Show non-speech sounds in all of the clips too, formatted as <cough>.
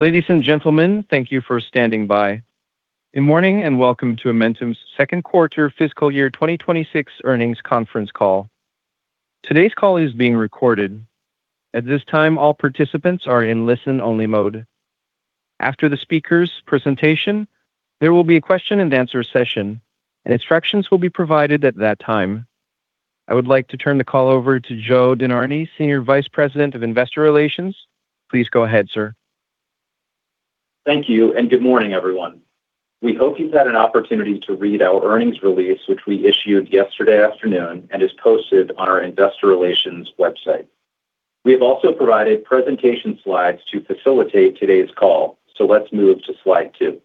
Ladies and gentlemen, thank you for standing by. Good morning, welcome to Amentum's second quarter fiscal year 2026 earnings conference call. Today's call is being recorded. At this time, all participants are in listen-only mode. After the speaker's presentation, there will be a question-and-answer session, and instructions will be provided at that time. I would like to turn the call over to Joseph DeNardi, Senior Vice President of Investor Relations. Please go ahead, sir. Thank you, and good morning, everyone. We hope you've had an opportunity to read our earnings release, which we issued yesterday afternoon and is posted on our investor relations website. We have also provided presentation slides to facilitate today's call. Let's move to slide two.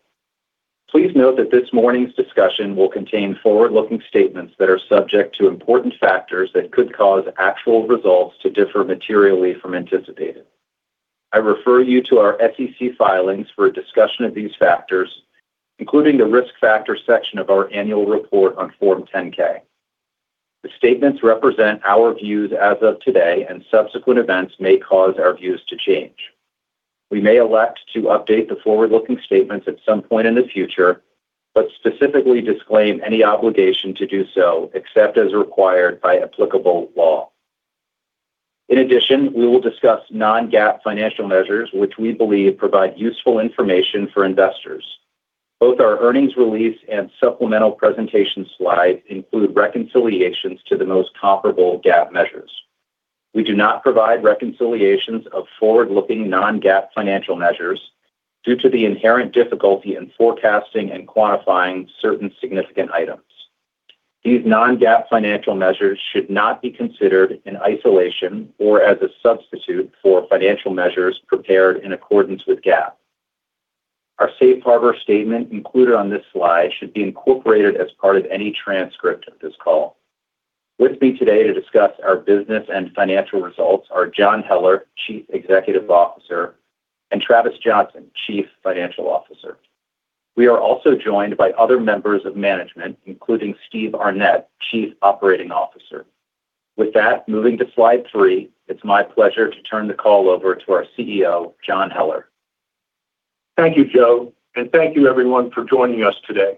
Please note that this morning's discussion will contain forward-looking statements that are subject to important factors that could cause actual results to differ materially from anticipated. I refer you to our SEC filings for a discussion of these factors, including the Risk Factors section of our annual report on Form 10-K. The statements represent our views as of today, and subsequent events may cause our views to change. We may elect to update the forward-looking statements at some point in the future, but specifically disclaim any obligation to do so, except as required by applicable law. In addition, we will discuss non-GAAP financial measures, which we believe provide useful information for investors. Both our earnings release and supplemental presentation slides include reconciliations to the most comparable GAAP measures. We do not provide reconciliations of forward-looking non-GAAP financial measures due to the inherent difficulty in forecasting and quantifying certain significant items. These non-GAAP financial measures should not be considered in isolation or as a substitute for financial measures prepared in accordance with GAAP. Our safe harbor statement included on this slide should be incorporated as part of any transcript of this call. With me today to discuss our business and financial results are John Heller, Chief Executive Officer, and Travis Johnson, Chief Financial Officer. We are also joined by other members of management, including Steve Arnette, Chief Operating Officer. With that, moving to slide three, it's my pleasure to turn the call over to our CEO, John Heller. Thank you, Joe, and thank you everyone for joining us today.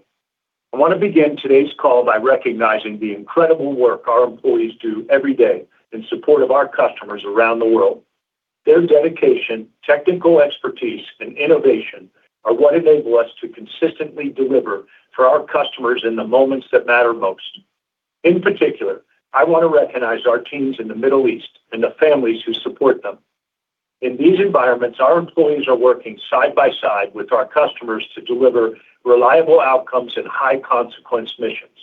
I want to begin today's call by recognizing the incredible work our employees do every day in support of our customers around the world. Their dedication, technical expertise, and innovation are what enable us to consistently deliver for our customers in the moments that matter most. In particular, I want to recognize our teams in the Middle East and the families who support them. In these environments, our employees are working side by side with our customers to deliver reliable outcomes in high-consequence missions.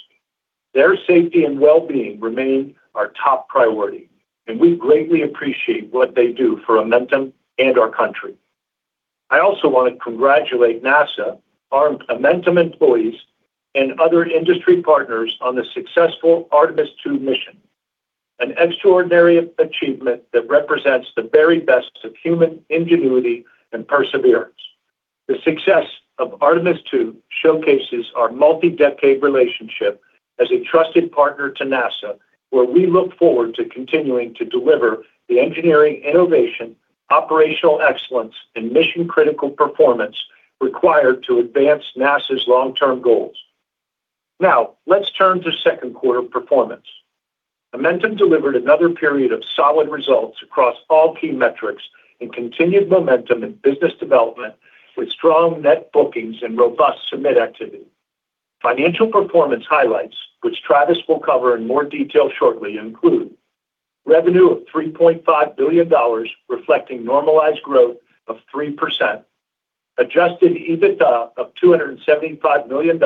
Their safety and well-being remain our top priority, and we greatly appreciate what they do for Amentum and our country. I also want to congratulate NASA, our Amentum employees, and other industry partners on the successful Artemis II mission, an extraordinary achievement that represents the very best of human ingenuity and perseverance. The success of Artemis II showcases our multi-decade relationship as a trusted partner to NASA, where we look forward to continuing to deliver the engineering innovation, operational excellence, and mission-critical performance required to advance NASA's long-term goals. Let's turn to second quarter performance. Amentum delivered another period of solid results across all key metrics and continued momentum in business development with strong net bookings and robust submit activity. Financial performance highlights, which Travis will cover in more detail shortly, include revenue of $3.5 billion, reflecting normalized growth of three percent. Adjusted EBITDA of $275 million,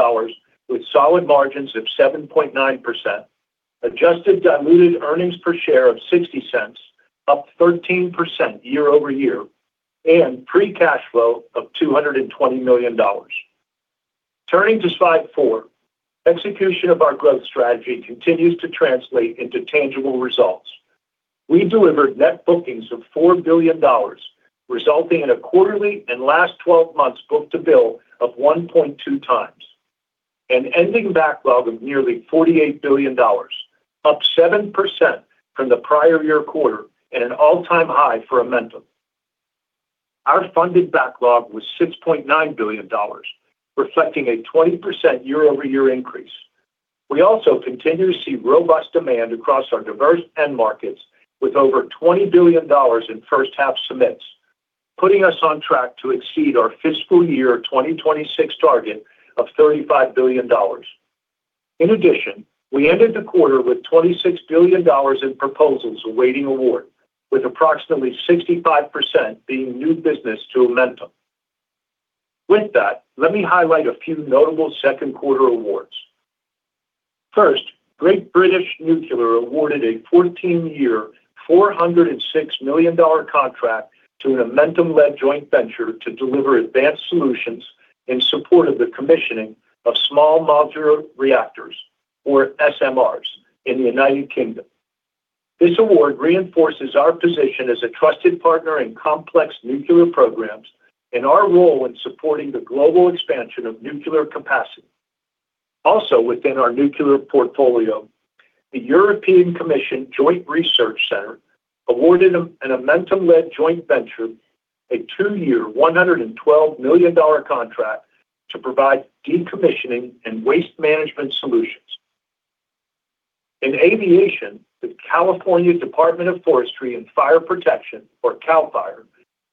with solid margins of seven point nine percent. Adjusted diluted earnings per share of $0.60, up 13% year-over-year, and free cash flow of $220 million. Turning to slide four, execution of our growth strategy continues to translate into tangible results. We delivered net bookings of $4 billion, resulting in a quarterly and last twelve months book-to-bill of one point two times. An ending backlog of nearly $48 billion, up seven percent from the prior year quarter and an all-time high for Amentum. Our funded backlog was $6.9 billion, reflecting a 20% year-over-year increase. We also continue to see robust demand across our diverse end markets, with over $20 billion in first half submits, putting us on track to exceed our FY 2026 target of $35 billion. In addition, we ended the quarter with $26 billion in proposals awaiting award, with approximately 65% being new business to Amentum. With that, let me highlight a few notable second quarter awards. First, Great British Nuclear awarded a 14-year, $406 million contract to an Amentum-led joint venture to deliver advanced solutions in support of the commissioning of small modular reactors, or SMRs, in the United Kingdom. This award reinforces our position as a trusted partner in complex nuclear programs and our role in supporting the global expansion of nuclear capacity. Also within our nuclear portfolio, the European Commission Joint Research Centre awarded an Amentum-led joint venture a two-year, $112 million contract to provide decommissioning and waste management solutions. In aviation, the California Department of Forestry and Fire Protection, or CAL FIRE,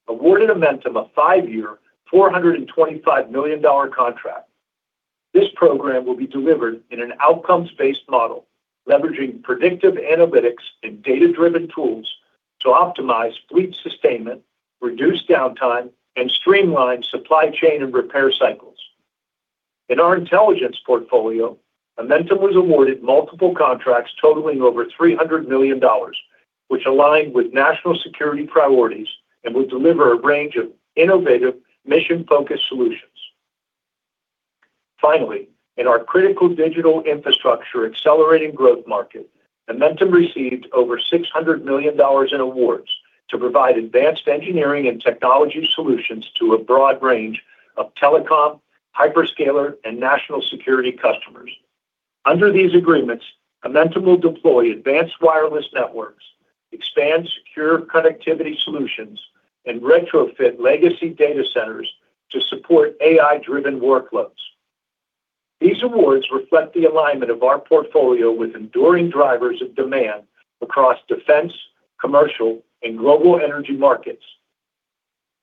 awarded Amentum a five-year, $425 million contract. This program will be delivered in an outcomes-based model, leveraging predictive analytics and data-driven tools to optimize fleet sustainment, reduce downtime, and streamline supply chain and repair cycles. In our intelligence portfolio, Amentum was awarded multiple contracts totaling over $300 million, which align with national security priorities and will deliver a range of innovative mission-focused solutions. Finally, in our critical digital infrastructure accelerating growth market, Amentum received over $600 million in awards to provide advanced engineering and technology solutions to a broad range of telecom, hyperscaler, and national security customers. Under these agreements, Amentum will deploy advanced wireless networks, expand secure connectivity solutions, and retrofit legacy data centers to support AI-driven workloads. These awards reflect the alignment of our portfolio with enduring drivers of demand across defense, commercial, and global energy markets.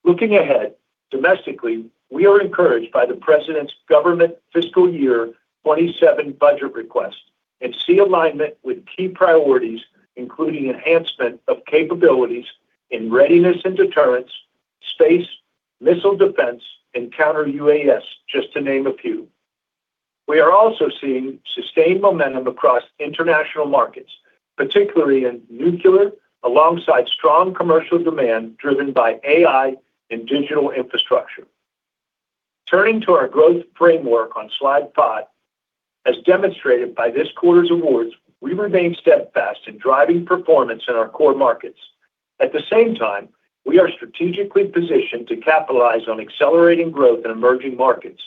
Looking ahead, domestically, we are encouraged by the President's government fiscal year 2027 budget request and see alignment with key priorities, including enhancement of capabilities in readiness and deterrence, space, missile defense, and counter-UAS, just to name a few. We are also seeing sustained momentum across international markets, particularly in nuclear, alongside strong commercial demand driven by AI and digital infrastructure. Turning to our growth framework on slide five, as demonstrated by this quarter's awards, we remain steadfast in driving performance in our core markets. At the same time, we are strategically positioned to capitalize on accelerating growth in emerging markets.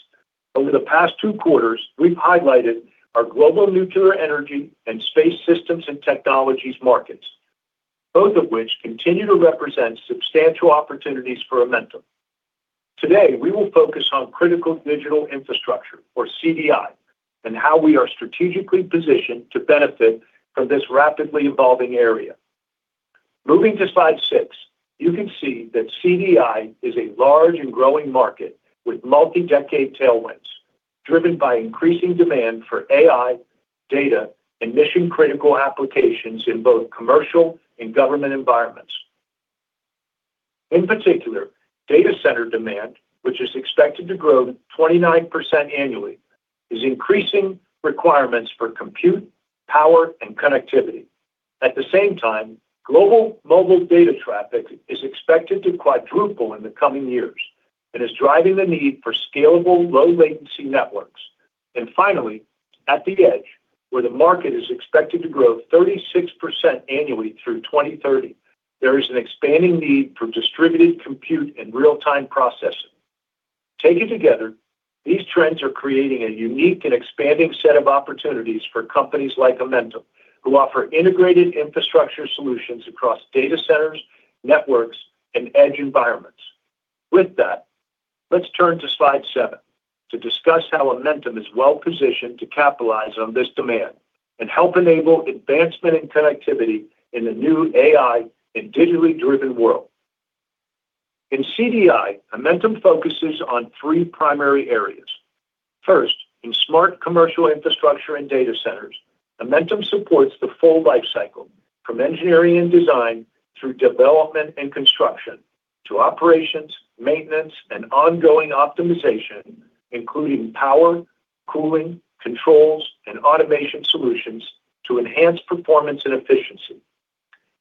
Over the past two quarters, we've highlighted our global nuclear energy and space systems and technologies markets, both of which continue to represent substantial opportunities for Amentum. Today, we will focus on critical digital infrastructure, or CDI, and how we are strategically positioned to benefit from this rapidly evolving area. Moving to slide six, you can see that CDI is a large and growing market with multi-decade tailwinds driven by increasing demand for AI, data, and mission-critical applications in both commercial and government environments. In particular, data center demand, which is expected to grow 29% annually, is increasing requirements for compute, power, and connectivity. At the same time, global mobile data traffic is expected to quadruple in the coming years and is driving the need for scalable, low-latency networks. Finally, at the edge, where the market is expected to grow 36% annually through 2030, there is an expanding need for distributed compute and real-time processing. Taken together, these trends are creating a unique and expanding set of opportunities for companies like Amentum, who offer integrated infrastructure solutions across data centers, networks, and edge environments. With that, let's turn to slide seven to discuss how Amentum is well-positioned to capitalize on this demand and help enable advancement in connectivity in the new AI and digitally driven world. In CDI, Amentum focuses on three primary areas. First, in smart commercial infrastructure and data centers, Amentum supports the full life cycle from engineering and design through development and construction to operations, maintenance, and ongoing optimization, including power, cooling, controls, and automation solutions to enhance performance and efficiency.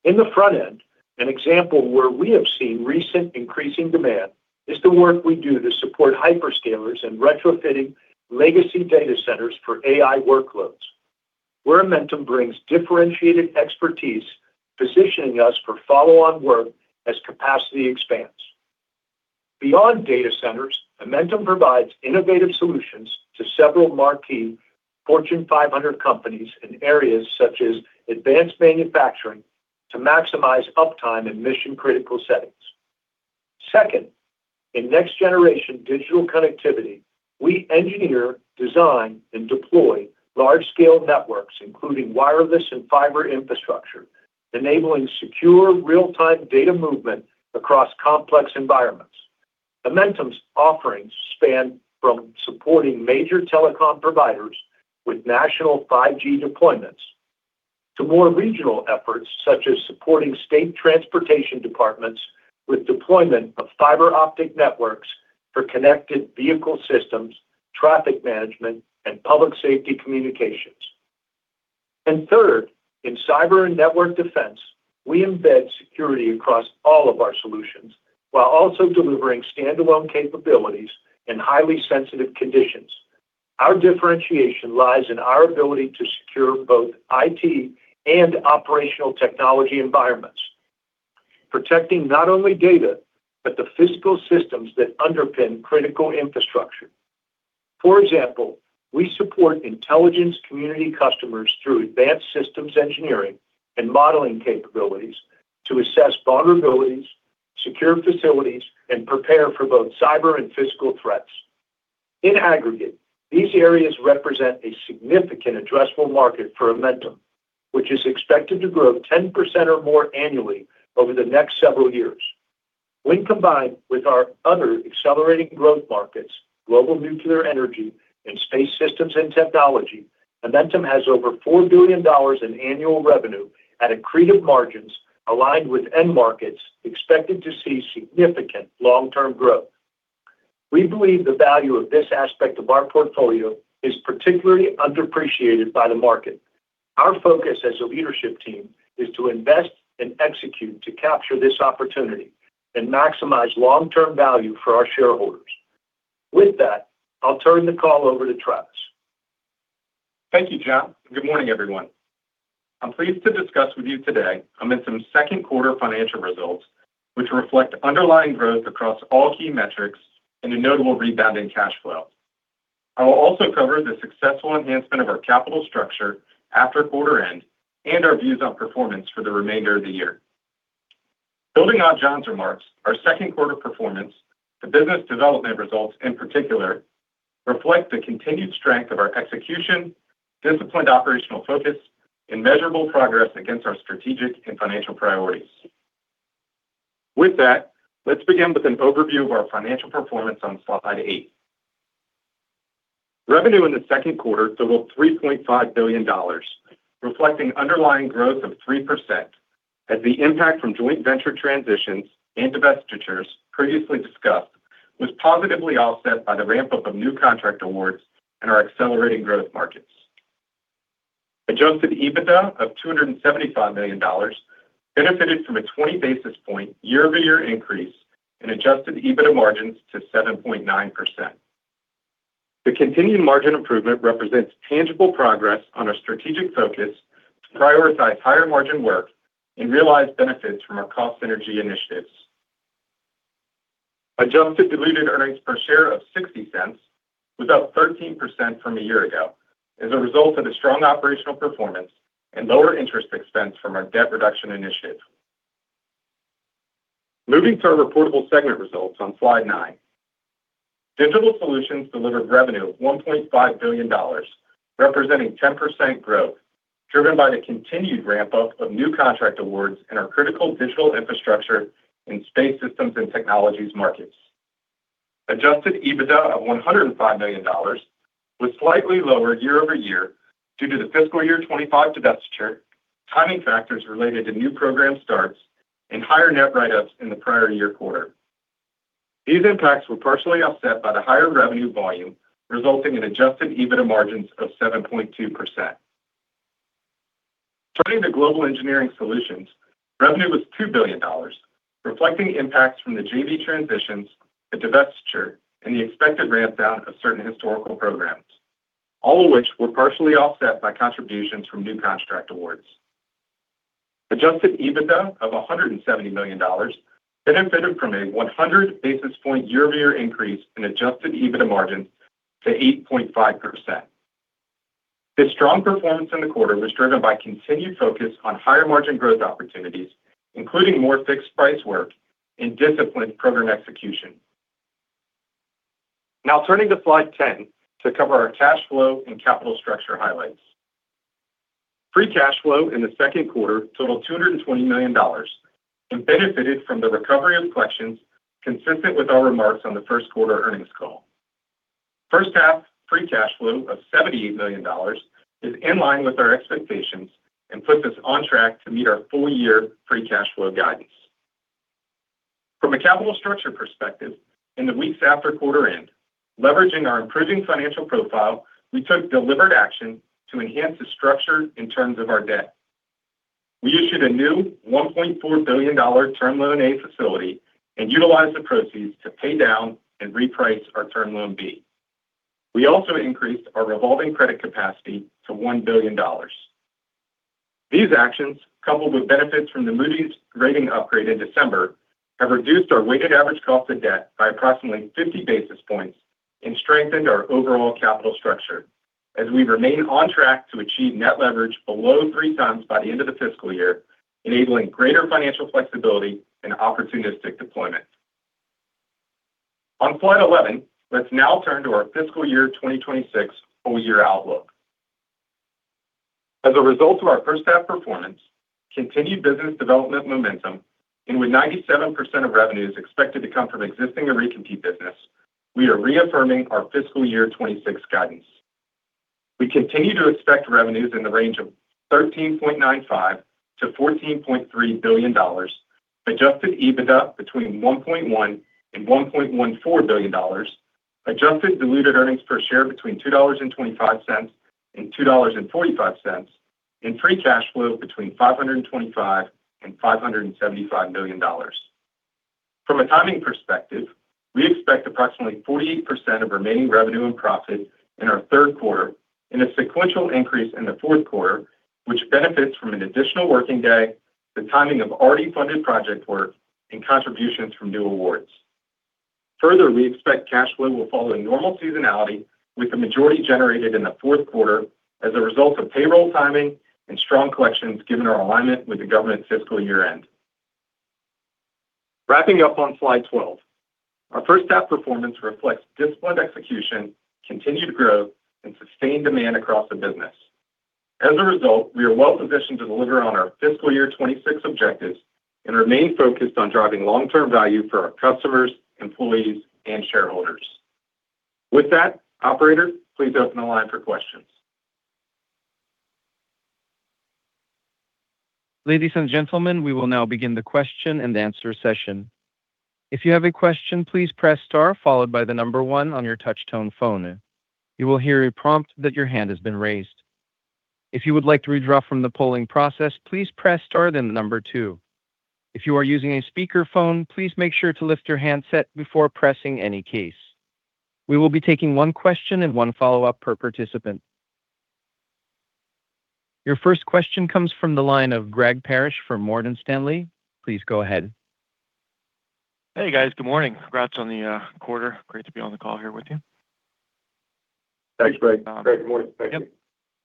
In the front end, an example where we have seen recent increasing demand is the work we do to support hyperscalers in retrofitting legacy data centers for AI workloads, where Amentum brings differentiated expertise, positioning us for follow-on work as capacity expands. Beyond data centers, Amentum provides innovative solutions to several marquee Fortune 500 companies in areas such as advanced manufacturing to maximize uptime in mission-critical settings. Second, in next-generation digital connectivity, we engineer, design, and deploy large-scale networks, including wireless and fiber infrastructure, enabling secure real-time data movement across complex environments. Amentum's offerings span from supporting major telecom providers with national 5G deployments to more regional efforts, such as supporting state transportation departments with deployment of fiber optic networks for connected vehicle systems, traffic management, and public safety communications. Third, in cyber and network defense, we embed security across all of our solutions while also delivering standalone capabilities in highly sensitive conditions. Our differentiation lies in our ability to secure both IT and operational technology environments. Protecting not only data, but the physical systems that underpin critical infrastructure. For example, we support intelligence community customers through advanced systems engineering and modeling capabilities to assess vulnerabilities, secure facilities, and prepare for both cyber and physical threats. In aggregate, these areas represent a significant addressable market for Amentum, which is expected to grow 10% or more annually over the next several years. When combined with our other accelerating growth markets, global nuclear energy and space systems and technology, Amentum has over $4 billion in annual revenue at accretive margins aligned with end markets expected to see significant long-term growth. We believe the value of this aspect of our portfolio is particularly underappreciated by the market. Our focus as a leadership team is to invest and execute to capture this opportunity and maximize long-term value for our shareholders. With that, I'll turn the call over to Travis. Thank you, John, and good morning, everyone. I'm pleased to discuss with you today Amentum's second quarter financial results, which reflect underlying growth across all key metrics and a notable rebound in cash flow. I will also cover the successful enhancement of our capital structure after quarter end and our views on performance for the remainder of the year. Building on John's remarks, our second quarter performance, the business development results in particular, reflect the continued strength of our execution, disciplined operational focus, and measurable progress against our strategic and financial priorities. With that, let's begin with an overview of our financial performance on slide eight. Revenue in the second quarter totaled $3.5 billion, reflecting underlying growth of three percent as the impact from joint venture transitions and divestitures previously discussed was positively offset by the ramp-up of new contract awards in our accelerating growth markets. Adjusted EBITDA of $275 million benefited from a 20 basis point year-over-year increase in adjusted EBITDA margins to seven point nine percent. The continued margin improvement represents tangible progress on our strategic focus to prioritize higher-margin work and realize benefits from our cost synergy initiatives. Adjusted diluted earnings per share of $0.60 was up 13% from a year ago as a result of the strong operational performance and lower interest expense from our debt reduction initiative. Moving to our reportable segment results on slide nine. Digital Solutions delivered revenue of $1.5 billion, representing 10% growth, driven by the continued ramp-up of new contract awards in our critical digital infrastructure in space systems and technologies markets. Adjusted EBITDA of $105 million was slightly lower year-over-year due to the FY 2025 divestiture, timing factors related to new program starts, and higher net write-ups in the prior year quarter. These impacts were partially offset by the higher revenue volume, resulting in adjusted EBITDA margins of seven point two percent. Turning to Global Engineering Solutions, revenue was $2 billion, reflecting the impacts from the JV transitions, the divestiture, and the expected ramp-down of certain historical programs, all of which were partially offset by contributions from new contract awards. Adjusted EBITDA of $170 million benefited from a 100 basis point year-over-year increase in adjusted EBITDA margins to eight point five percent. This strong performance in the quarter was driven by continued focus on higher margin growth opportunities, including more fixed price work and disciplined program execution. Turning to slide 10 to cover our cash flow and capital structure highlights. Free cash flow in the second quarter totaled $220 million and benefited from the recovery of collections consistent with our remarks on the first quarter earnings call. First half free cash flow of $78 million is in line with our expectations and puts us on track to meet our full year free cash flow guidance. From a capital structure perspective, in the weeks after quarter end, leveraging our improving financial profile, we took deliberate action to enhance the structure in terms of our debt. We issued a new $1.4 billion Term Loan A facility and utilized the proceeds to pay down and reprice our Term Loan B. We also increased our revolving credit capacity to $1 billion. These actions, coupled with benefits from the Moody's rating upgrade in December, have reduced our weighted average cost of debt by approximately 50 basis points and strengthened our overall capital structure as we remain on track to achieve net leverage below three times by the end of the fiscal year, enabling greater financial flexibility and opportunistic deployment. On slide 11, let's now turn to our fiscal year 2026 full year outlook. As a result of our first half performance, continued business development momentum, and with 97% of revenues expected to come from existing and repeat business, we are reaffirming our fiscal year 2026 guidance. We continue to expect revenues in the range of $13.95 billion-$14.3 billion, adjusted EBITDA between $1.1 billion and $1.14 billion, adjusted diluted earnings per share between $2.25 and $2.45, and free cash flow between $525 million and $575 million. From a timing perspective, we expect approximately 48% of remaining revenue and profit in our third quarter in a sequential increase in the fourth quarter, which benefits from an additional working day, the timing of already funded project work and contributions from new awards. Further, we expect cash flow will follow a normal seasonality with the majority generated in the fourth quarter as a result of payroll timing and strong collections given our alignment with the government's fiscal year-end. Wrapping up on slide 12, our first half performance reflects disciplined execution, continued growth, and sustained demand across the business. As a result, we are well-positioned to deliver on our fiscal year 2026 objectives and remain focused on driving long-term value for our customers, employees, and shareholders. With that, operator, please open the line for questions. Ladies and gentlemen, we will now begin the question and answer session. If you have a question, please press star followed by one on your touch tone phone. You will hear a prompt that your hand has been raised. If you would like to withdraw from the polling process, please press star then number two. If you are using a speakerphone, please make sure to lift your handset before pressing any keys. We will be taking one question and one follow-up per participant. Your first question comes from the line of Greg Parrish from Morgan Stanley. Please go ahead. Hey, guys. Good morning. Congrats on the quarter. Great to be on the call here with you. Thanks, Greg. Greg, good morning. Thank you. <crosstalk> Yep.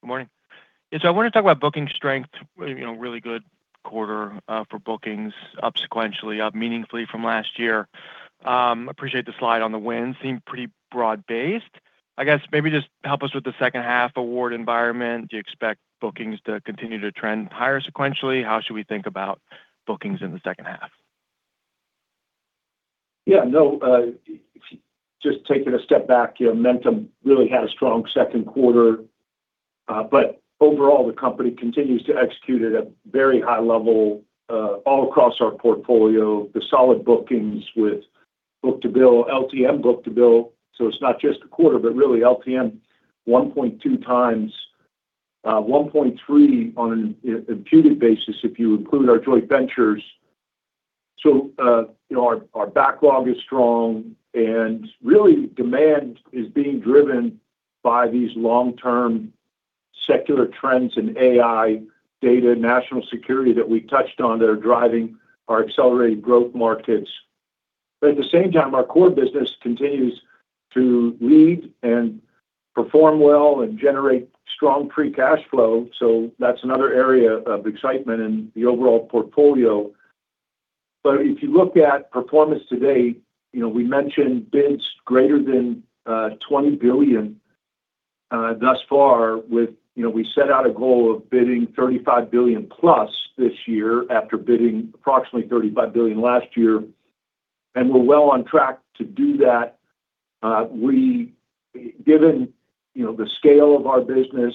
Good morning. I want to talk about booking strength. You know, really good quarter for bookings up sequentially, up meaningfully from last year. Appreciate the slide on the win. Seemed pretty broad-based. I guess maybe just help us with the second half award environment. Do you expect bookings to continue to trend higher sequentially? How should we think about bookings in the second half? Yeah, no, just taking a step back, you know, Amentum really had a strong second quarter. Overall, the company continues to execute at a very high level, all across our portfolio. The solid bookings with book-to-bill, LTM book-to-bill. It's not just a quarter, but really LTM one point two times, one point three on an imputed basis if you include our joint ventures. You know, our backlog is strong, and really demand is being driven by these long-term secular trends in AI, data, national security that we touched on that are driving our accelerated growth markets. At the same time, our core business continues to lead and perform well and generate strong free cash flow. That's another area of excitement in the overall portfolio. If you look at performance today, you know, we mentioned bids greater than $20 billion thus far with, you know, we set out a goal of bidding $35 billion plus this year after bidding approximately $35 billion last year. We're well on track to do that. Given, you know, the scale of our business,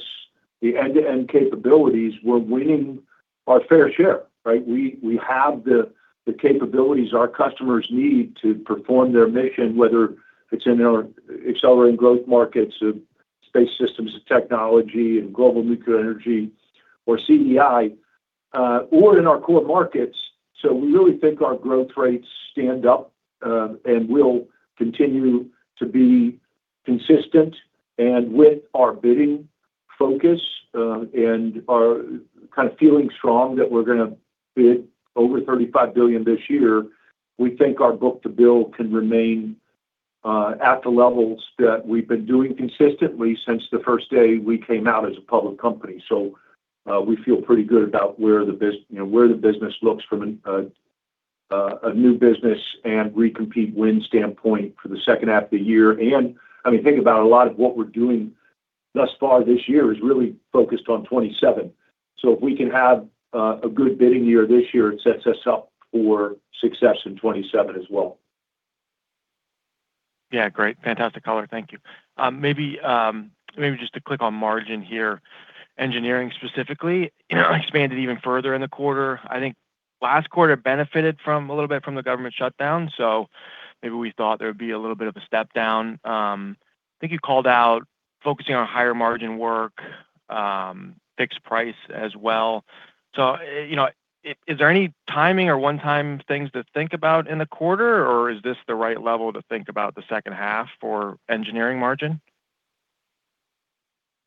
the end-to-end capabilities, we're winning our fair share, right? We have the capabilities our customers need to perform their mission, whether it's in our accelerating growth markets of space systems and technology and global nuclear energy or CDI, or in our core markets. We really think our growth rates stand up and will continue to be consistent. With our bidding focus, and our kind of feeling strong that we're gonna bid over $35 billion this year, we think our book-to-bill can remain at the levels that we've been doing consistently since the first day we came out as a public company. We feel pretty good about where the you know, where the business looks from a new business and recompete win standpoint for the second half of the year. I mean, think about a lot of what we're doing thus far this year is really focused on 2027. If we can have a good bidding year this year, it sets us up for success in 2027 as well. Yeah, great. Fantastic color. Thank you. maybe just to click on margin here. engineering specifically expanded even further in the quarter. I think last quarter benefited from a little bit from the government shutdown. maybe we thought there would be a little bit of a step down. I think you called out focusing on higher margin work, fixed price as well. you know, is there any timing or one-time things to think about in the quarter, or is this the right level to think about the second half for engineering margin?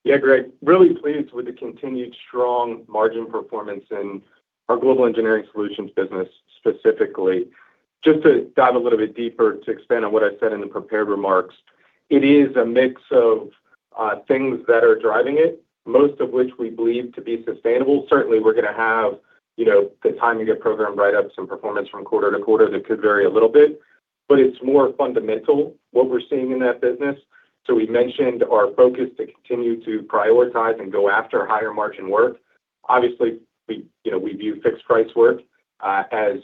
Yeah, Greg. Really pleased with the continued strong margin performance in our Global Engineering Solutions business specifically. Just to dive a little bit deeper to expand on what I said in the prepared remarks, it is a mix of things that are driving it, most of which we believe to be sustainable. Certainly, we're gonna have, you know, the timing of program write up some performance from quarter to quarter that could vary a little bit, but it's more fundamental what we're seeing in that business. We mentioned our focus to continue to prioritize and go after higher margin work. Obviously, we, you know, we view fixed price work as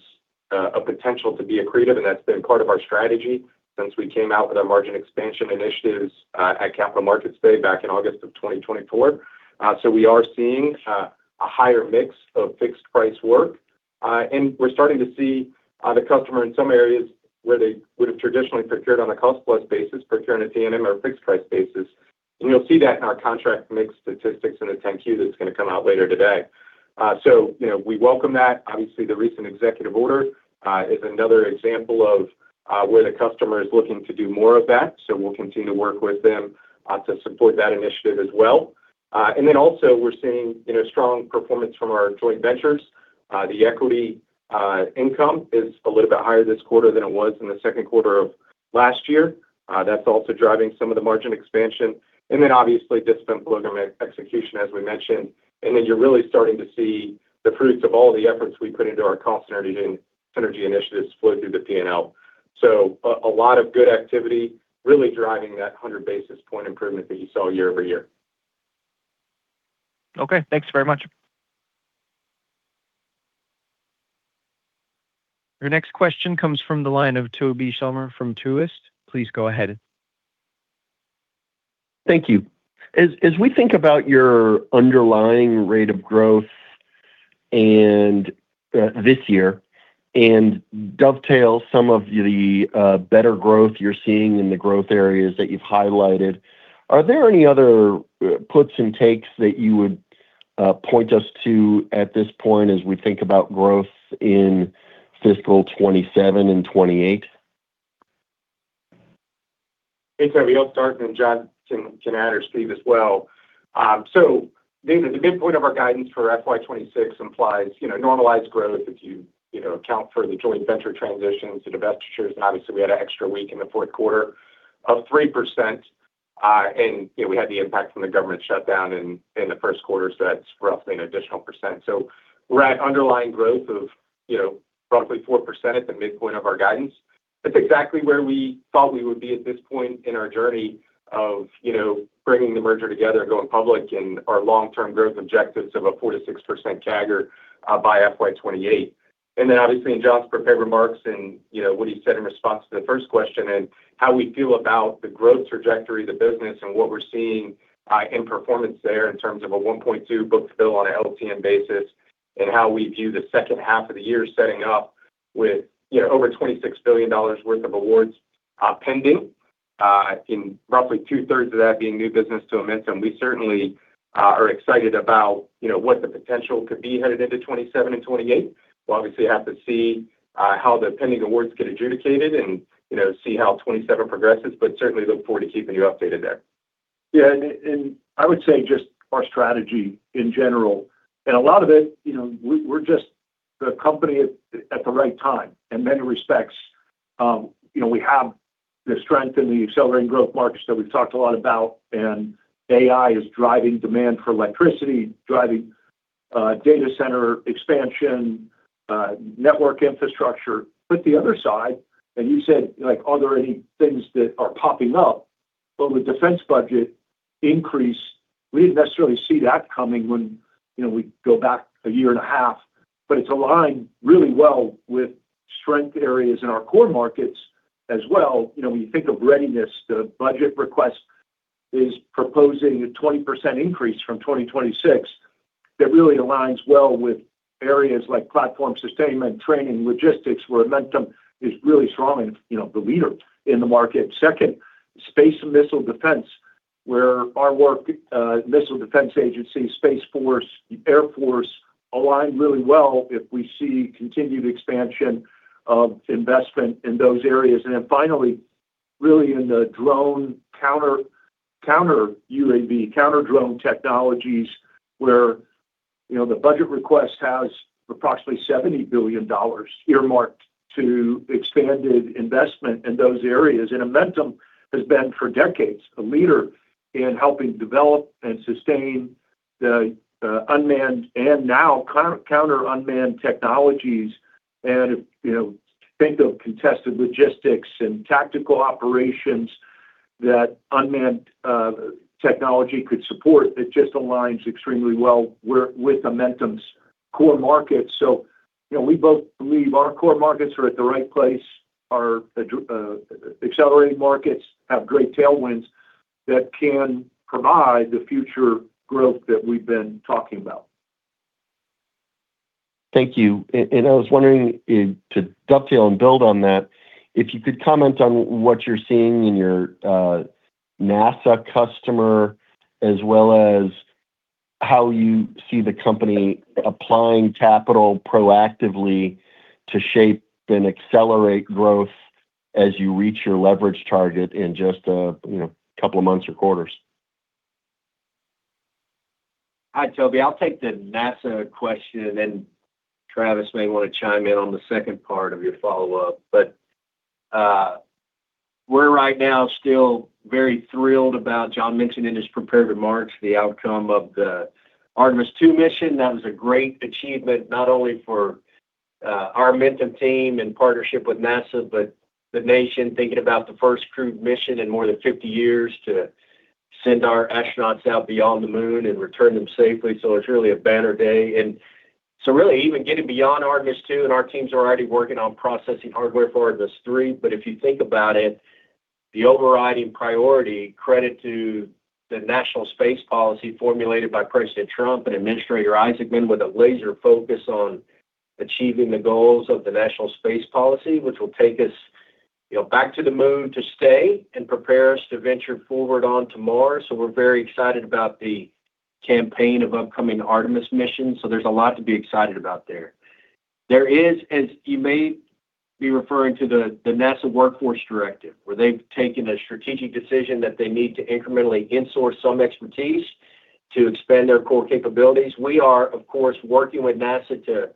a potential to be accretive, and that's been part of our strategy since we came out with our margin expansion initiatives at Capital Markets Day back in August of 2024. We are seeing a higher mix of fixed price work. We're starting to see the customer in some areas where they would have traditionally procured on a cost plus basis procuring a T&M or fixed price basis. You'll see that in our contract mix statistics in the 10-Q that's going to come out later today. You know, we welcome that. Obviously, the recent executive order is another example of where the customer is looking to do more of that, we'll continue to work with them to support that initiative as well. Also we're seeing, you know, strong performance from our joint ventures. The equity income is a little bit higher this quarter than it was in the second quarter of last year. That's also driving some of the margin expansion. Obviously disciplined program execution, as we mentioned. You're really starting to see the fruits of all the efforts we put into our cost synergy and synergy initiatives flow through the P&L. A lot of good activity really driving that 100 basis point improvement that you saw year-over-year. Okay. Thanks very much. Your next question comes from the line of Tobey Sommer from Truist. Please go ahead. Thank you. As we think about your underlying rate of growth and this year and dovetail some of the better growth you're seeing in the growth areas that you've highlighted, are there any other puts and takes that you would point us to at this point as we think about growth in fiscal 2027 and 2028? Hey, Tobey. I'll start, John can add or Steve as well. The midpoint of our guidance for FY 2026 implies, you know, normalized growth if you know, account for the joint venture transitions, the divestitures, and obviously we had an extra week in the fourth quarter of three percent. You know, we had the impact from the government shutdown in the first quarter, so that's roughly an additional percent. We're at underlying growth of, you know, roughly four percent at the midpoint of our guidance. That's exactly where we thought we would be at this point in our journey of, you know, bringing the merger together and going public and our long-term growth objectives of a four to six percent CAGR by FY 2028. Obviously in John's prepared remarks and, you know, what he said in response to the first question and how we feel about the growth trajectory of the business and what we are seeing in performance there in terms of a one point two book-to-bill on an LTM basis and how we view the second half of the year setting up with, you know, over $26 billion worth of awards pending and roughly two-thirds of that being new business to Amentum. We certainly are excited about, you know, what the potential could be headed into 2027 and 2028. We will obviously have to see how the pending awards get adjudicated and, you know, see how 2027 progresses, but certainly look forward to keeping you updated there. Yeah. I would say just our strategy in general. A lot of it, you know, we're just the company at the right time in many respects. You know, we have the strength in the accelerating growth markets that we've talked a lot about, and AI is driving demand for electricity, driving data center expansion, network infrastructure. The other side, and you said, like, "Are there any things that are popping up?" Well, the defense budget increase, we didn't necessarily see that coming when, you know, we go back a year and a half, but it's aligned really well with strength areas in our core markets as well. You know, when you think of readiness, the budget request is proposing a 20% increase from 2026. That really aligns well with areas like platform sustainment, training, logistics, where Amentum is really strong and, you know, the leader in the market. Second, space and missile defense, where our work, Missile Defense Agency, Space Force, Air Force align really well if we see continued expansion of investment in those areas. Finally, really in the drone counter-UAV, counter-drone technologies, where, you know, the budget request has approximately $70 billion earmarked to expanded investment in those areas. Amentum has been, for decades, a leader in helping develop and sustain the unmanned and now counter-unmanned technologies. If, you know, think of contested logistics and tactical operations that unmanned technology could support, that just aligns extremely well with Amentum's core markets. You know, we both believe our core markets are at the right place. Our accelerating markets have great tailwinds that can provide the future growth that we've been talking about. Thank you. I was wondering if to dovetail and build on that, if you could comment on what you're seeing in your NASA customer as well as how you see the company applying capital proactively to shape and accelerate growth as you reach your leverage target in just a, you know, couple of months or quarters. Hi, Tobey. I'll take the NASA question, and Travis may wanna chime in on the second part of your follow-up. We're right now still very thrilled about, John mentioned in his prepared remarks, the outcome of the Artemis II mission. That was a great achievement, not only for our Amentum team in partnership with NASA, but the nation thinking about the first crewed mission in more than 50 years to send our astronauts out beyond the moon and return them safely. It's really a banner day. Really even getting beyond Artemis II, and our teams are already working on processing hardware for Artemis III, but if you think about it, the overriding priority, credit to the National Space Policy formulated by President Trump and Administrator Isaacman with a laser focus on Achieving the goals of the National Space Policy, which will take us, you know, back to the Moon to stay and prepare us to venture forward on to Mars. We're very excited about the campaign of upcoming Artemis missions. There's a lot to be excited about there. There is, as you may be referring to the NASA Workforce Directive, where they've taken a strategic decision that they need to incrementally insource some expertise to expand their core capabilities. We are, of course, working with NASA to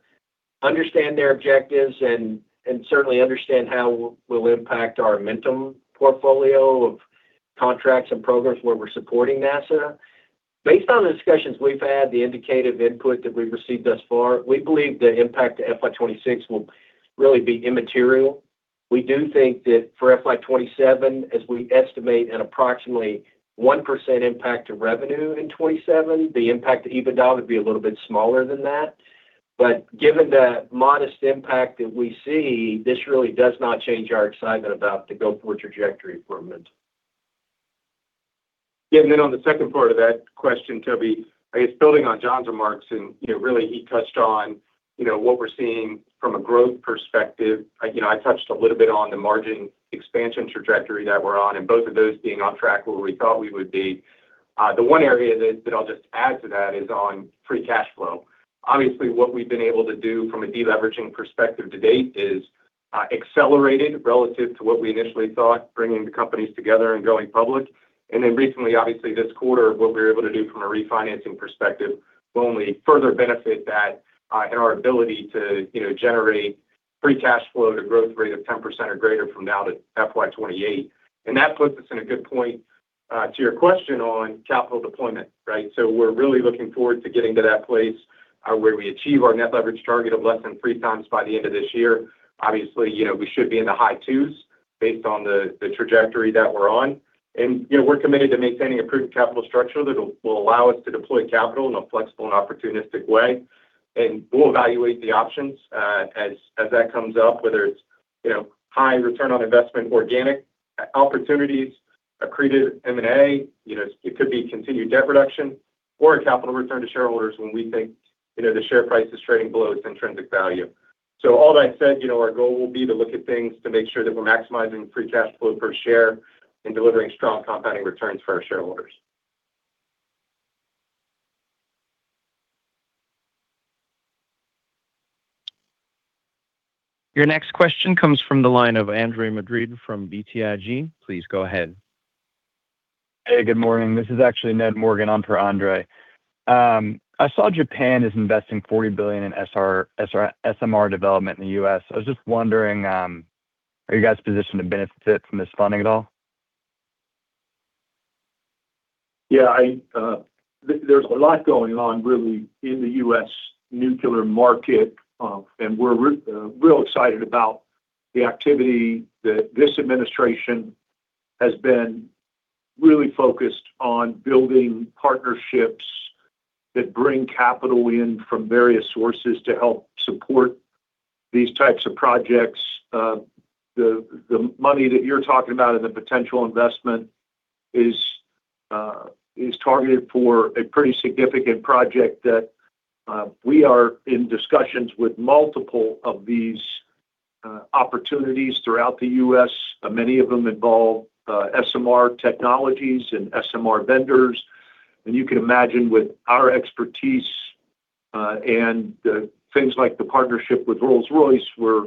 understand their objectives and certainly understand how it will impact our Amentum portfolio of contracts and programs where we're supporting NASA. Based on the discussions we've had, the indicative input that we've received thus far, we believe the impact to FY 2026 will really be immaterial. We do think that for FY 2027, as we estimate an approximately one percent impact to revenue in 2027. The impact to EBITDA would be a little bit smaller than that. Given the modest impact that we see, this really does not change our excitement about the go-forward trajectory for them. Yeah. On the second part of that question, Tobey, I guess building on John's remarks, and, you know, really he touched on, you know, what we're seeing from a growth perspective. You know, I touched a little bit on the margin expansion trajectory that we're on, and both of those being on track where we thought we would be. The one area that I'll just add to that is on free cash flow. Obviously, what we've been able to do from a deleveraging perspective to date is accelerated relative to what we initially thought, bringing the companies together and going public. Recently, obviously, this quarter, what we were able to do from a refinancing perspective will only further benefit that, in our ability to, you know, generate free cash flow at a growth rate of 10% or greater from now to FY 2028. That puts us in a good point, to your question on capital deployment, right? We're really looking forward to getting to that place, where we achieve our net leverage target of less than three times by the end of this year. Obviously, you know, we should be in the high two's based on the trajectory that we're on. You know, we're committed to maintaining a prudent capital structure that will allow us to deploy capital in a flexible and opportunistic way. We'll evaluate the options, as that comes up, whether it's, you know, high return on investment, organic opportunities, accretive M&A. You know, it could be continued debt reduction or a capital return to shareholders when we think, you know, the share price is trading below its intrinsic value. All that said, you know, our goal will be to look at things to make sure that we're maximizing free cash flow per share and delivering strong compounding returns for our shareholders. Your next question comes from the line of Andre Madrid from BTIG. Please go ahead. Hey, good morning. This is actually Ned Morgan on for Andre. I saw Japan is investing $40 billion in SMR development in the U.S. I was just wondering, are you guys positioned to benefit from this funding at all? Yeah. I there's a lot going on really in the U.S. nuclear market, and we're real excited about the activity that this administration has been really focused on building partnerships that bring capital in from various sources to help support these types of projects. The, the money that you're talking about and the potential investment is targeted for a pretty significant project that we are in discussions with multiple of these opportunities throughout the U.S. Many of them involve SMR technologies and SMR vendors. You can imagine with our expertise and things like the partnership with Rolls-Royce, where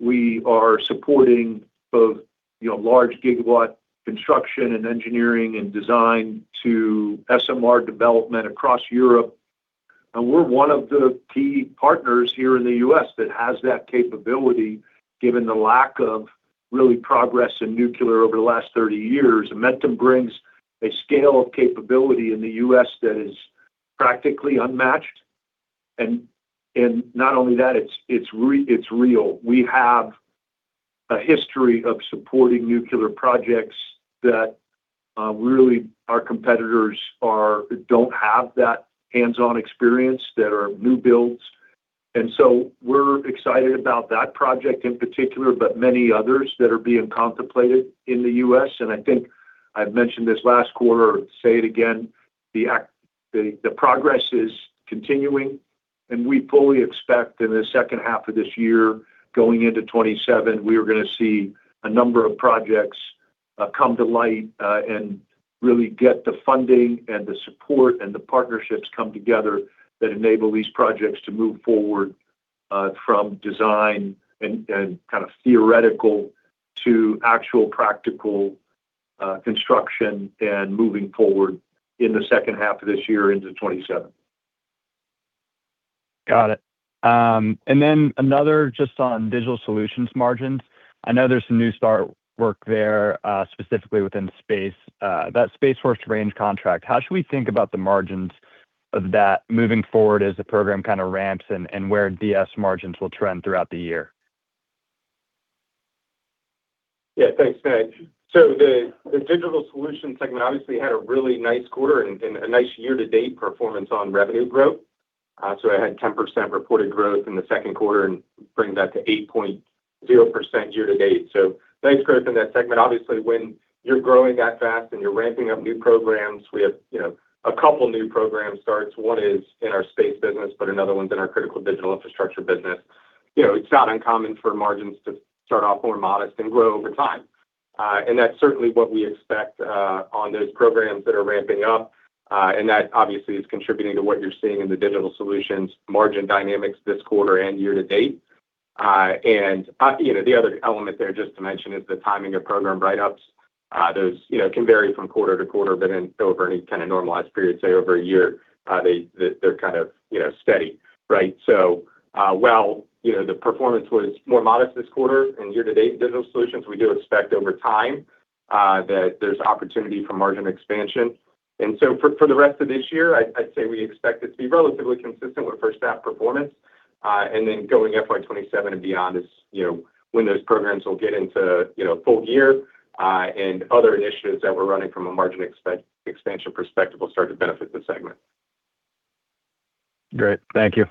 we are supporting both, you know, large gigawatt construction and engineering and design to SMR development across Europe. We're one of the key partners here in the U.S. that has that capability, given the lack of really progress in nuclear over the last 30 years. Amentum brings a scale of capability in the U.S. that is practically unmatched. Not only that, it's real. We have a history of supporting nuclear projects that really our competitors don't have that hands-on experience, that are new builds. We're excited about that project in particular, but many others that are being contemplated in the U.S. I think I've mentioned this last quarter, say it again, the progress is continuing, and we fully expect in the second half of this year, going into 2027, we are gonna see a number of projects come to light and really get the funding and the support and the partnerships come together that enable these projects to move forward from design and kind of theoretical to actual practical construction and moving forward in the second half of this year into 2027. Got it. Another just on Digital Solutions margins. I know there's some new start work there, specifically within the space, that Space Force Range Contract. How should we think about the margins of that moving forward as the program kind of ramps and where DS margins will trend throughout the year? Thanks, Ned. The Digital Solutions segment obviously had a really nice quarter and a nice year-to-date performance on revenue growth. It had 10% reported growth in the second quarter and bring that to eight point zero percent year-to-date. Thanks, Chris, in that segment. Obviously, when you're growing that fast and you're ramping up new programs, we have, you know, a couple new program starts. One is in our space business, another one's in our critical digital infrastructure business. You know, it's not uncommon for margins to start off more modest and grow over time. That's certainly what we expect on those programs that are ramping up. That obviously is contributing to what you're seeing in the Digital Solutions margin dynamics this quarter and year-to-date. You know, the other element there, just to mention, is the timing of program write-ups. Those, you know, can vary from quarter to quarter, but over any kind of normalized period, say, over a year, they're kind of, you know, steady, right? While, you know, the performance was more modest this quarter and year-to-date Digital Solutions, we do expect over time that there's opportunity for margin expansion. For the rest of this year, I'd say we expect it to be relatively consistent with first half performance. Going FY 2027 and beyond is, you know, when those programs will get into, you know, full gear, and other initiatives that we're running from a margin expansion perspective will start to benefit the segment. Great. Thank you.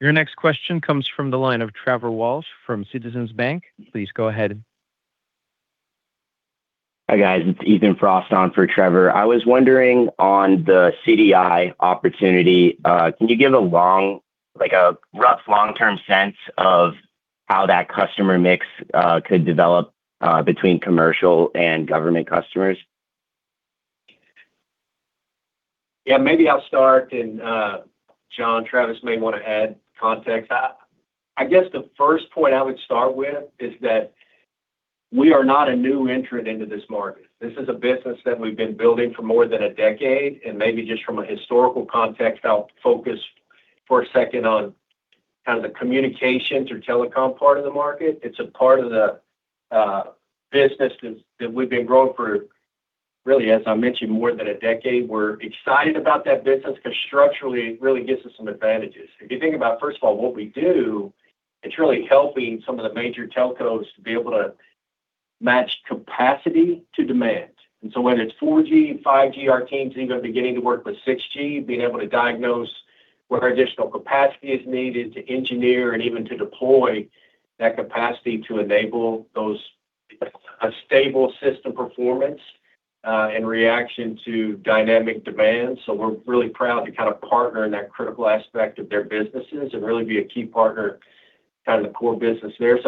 Your next question comes from the line of Trevor Walsh from Citizens Bank. Please go ahead. Hi, guys. It's Ethan Frost on for Trevor. I was wondering on the CDI opportunity, can you give like a rough long-term sense of how that customer mix could develop between commercial and government customers? Yeah, maybe I'll start and John, Travis may wanna add context. I guess the first point I would start with is that we are not a new entrant into this market. This is a business that we've been building for more than a decade, and maybe just from a historical context, I'll focus for a second on kind of the communications or telecom part of the market. It's a part of the business that we've been growing for really, as I mentioned, more than a decade. We're excited about that business 'cause structurally, it really gives us some advantages. If you think about, first of all, what we do, it's really helping some of the major telcos to be able to match capacity to demand. Whether it's 4G, 5G, our teams even are beginning to work with 6G, being able to diagnose where additional capacity is needed to engineer and even to deploy that capacity to enable those, a stable system performance, and reaction to dynamic demands. We're really proud to kind of partner in that critical aspect of their businesses and really be a key partner, kind of the core business there.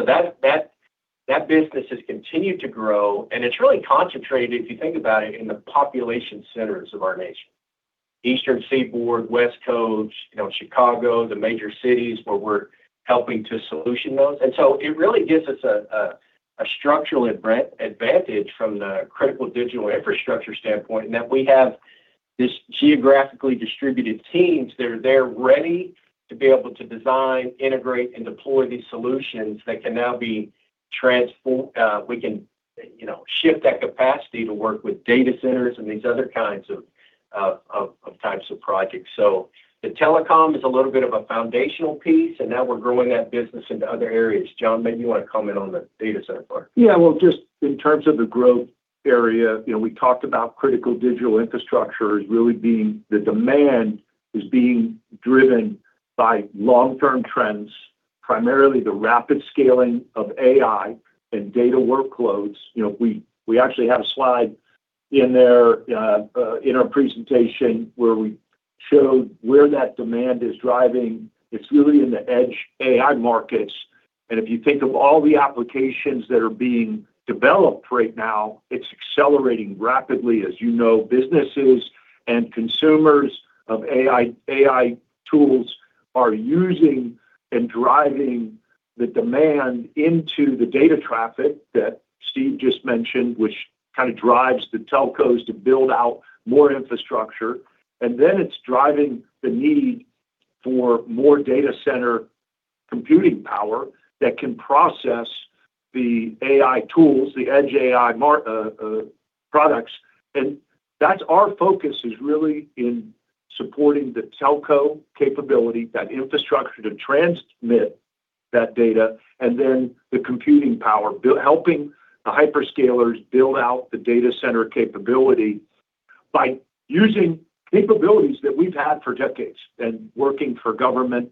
That business has continued to grow, and it's really concentrated, if you think about it, in the population centers of our nation. Eastern Seaboard, West Coast, you know, Chicago, the major cities where we're helping to solution those. It really gives us a structural advantage from the critical digital infrastructure standpoint in that we have this geographically distributed teams that are there ready to be able to design, integrate, and deploy these solutions that we can, you know, shift that capacity to work with data centers and these other kinds of types of projects. The telecom is a little bit of a foundational piece, and now we're growing that business into other areas. John, maybe you wanna comment on the data center part. Yeah. Well, just in terms of the growth area, you know, we talked about critical digital infrastructure as really being the demand is being driven by long-term trends, primarily the rapid scaling of AI and data workloads. You know, we actually have a slide in there in our presentation where we showed where that demand is driving. It's really in the edge AI markets. If you think of all the applications that are being developed right now, it's accelerating rapidly. As you know, businesses and consumers of AI tools are using and driving the demand into the data traffic that Steve just mentioned, which kind of drives the telcos to build out more infrastructure. It's driving the need for more data center computing power that can process the AI tools, the edge AI products. That's our focus is really in supporting the telco capability, that infrastructure to transmit that data, then the computing power, helping the hyperscalers build out the data center capability by using capabilities that we've had for decades and working for government,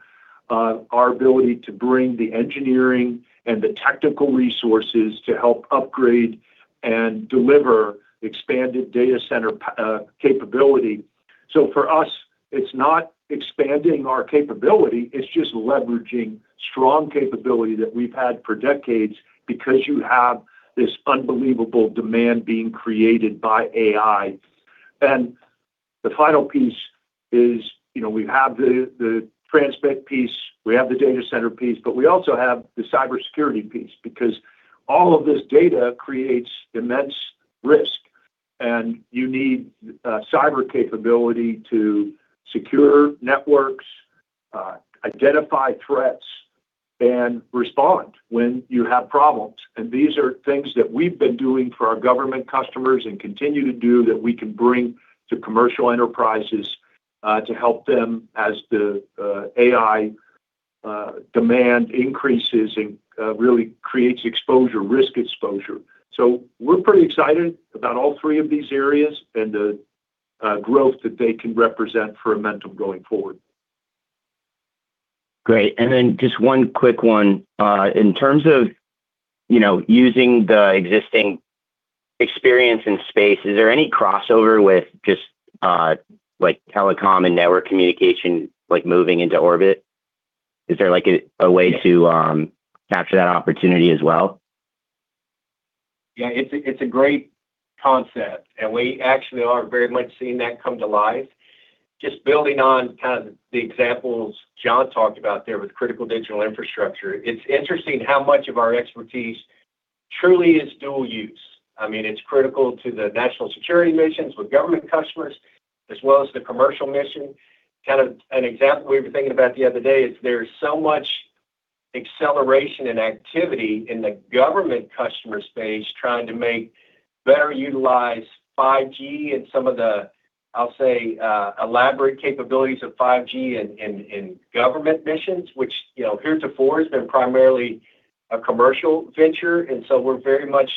our ability to bring the engineering and the technical resources to help upgrade and deliver expanded data center capability. For us, it's not expanding our capability, it's just leveraging strong capability that we've had for decades because you have this unbelievable demand being created by AI. The final piece is, you know, we have the transmit piece, we have the data center piece, but we also have the cybersecurity piece because all of this data creates immense risk, and you need cyber capability to secure networks, identify threats, and respond when you have problems. These are things that we've been doing for our government customers and continue to do that we can bring to commercial enterprises to help them as the AI demand increases and really creates exposure, risk exposure. We're pretty excited about all three of these areas and growth that they can represent for Amentum going forward. Great. Just one quick one. In terms of, you know, using the existing experience and space, is there any crossover with just like telecom and network communication, like moving into orbit? Is there like a way to capture that opportunity as well? Yeah, it's a great concept, we actually are very much seeing that come to life. Just building on kind of the examples John talked about there with critical digital infrastructure, it's interesting how much of our expertise truly is dual use. I mean, it's critical to the national security missions with government customers as well as the commercial mission. Kind of an example we were thinking about the other day is there's so much acceleration and activity in the government customer space trying to make better utilize 5G and some of the, I'll say, elaborate capabilities of 5G in government missions which, you know, heretofore has been primarily a commercial venture. We're very much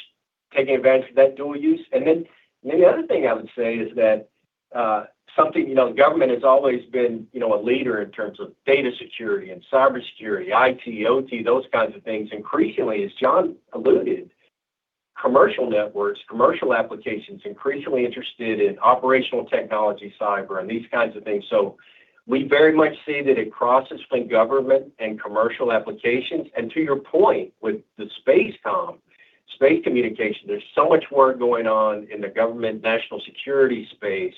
taking advantage of that dual use. Maybe other thing I would say is that, you know, government has always been, you know, a leader in terms of data security and cybersecurity, IT, OT, those kinds of things. Increasingly, as John alluded, commercial networks, commercial applications increasingly interested in operational technology, cyber, and these kinds of things. We very much see that it crosses from government and commercial applications. To your point with the space communication, there's so much work going on in the government national security space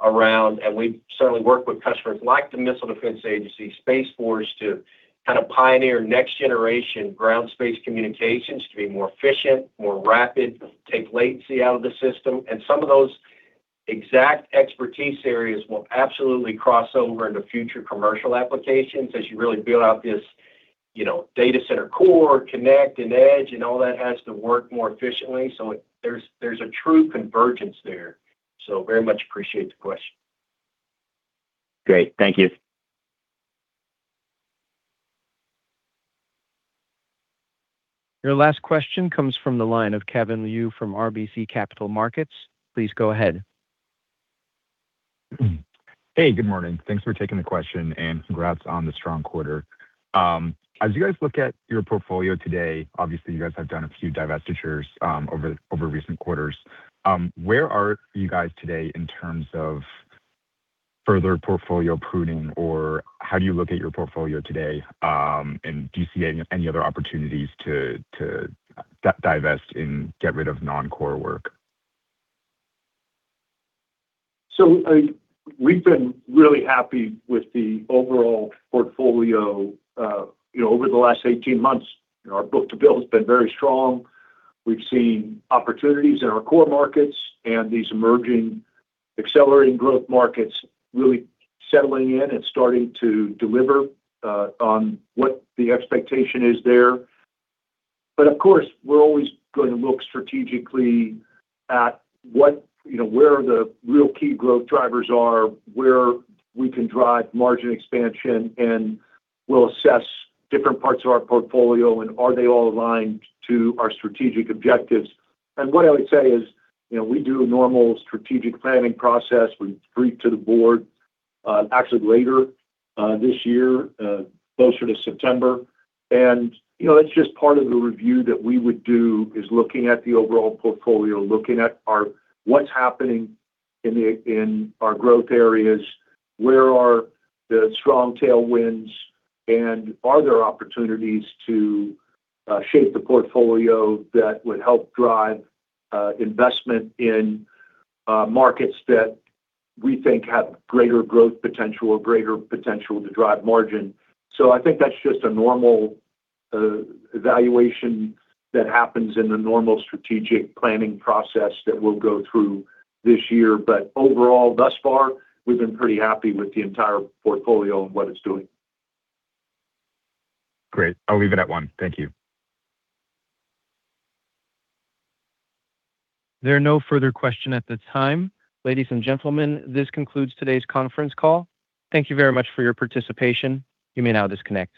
around. We've certainly worked with customers like the Missile Defense Agency, Space Force to kind of pioneer next generation ground space communications to be more efficient, more rapid, take latency out of the system. Some of those exact expertise areas will absolutely cross over into future commercial applications as you really build out this, you know, data center core, connect, and edge, and all that has to work more efficiently. There's a true convergence there. Very much appreciate the question. Great. Thank you. Your last question comes from the line of Kevin Liu from RBC Capital Markets. Please go ahead. Hey, good morning. Thanks for taking the question and congrats on the strong quarter. As you guys look at your portfolio today, obviously you guys have done a few divestitures over recent quarters. Where are you guys today in terms of further portfolio pruning, or how do you look at your portfolio today? Do you see any other opportunities to divest and get rid of non-core work? We've been really happy with the overall portfolio, you know, over the last 18 months. You know, our book-to-bill has been very strong. We've seen opportunities in our core markets and these emerging accelerating growth markets really settling in and starting to deliver on what the expectation is there. Of course, we're always going to look strategically at what, you know, where the real key growth drivers are, where we can drive margin expansion, and we'll assess different parts of our portfolio and are they all aligned to our strategic objectives. What I would say is, you know, we do a normal strategic planning process. We brief to the board actually later this year closer to September. You know, that's just part of the review that we would do, is looking at the overall portfolio, looking at our what's happening in our growth areas, where are the strong tailwinds, and are there opportunities to shape the portfolio that would help drive investment in markets that we think have greater growth potential or greater potential to drive margin. I think that's just a normal evaluation that happens in the normal strategic planning process that we'll go through this year. Overall, thus far, we've been pretty happy with the entire portfolio and what it's doing. Great. I'll leave it at one. Thank you. There are no further questions at the time. Ladies and gentlemen, this concludes today's conference call. Thank you very much for your participation. You may now disconnect.